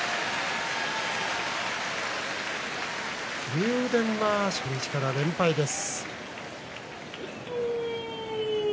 竜電は初日から連敗です。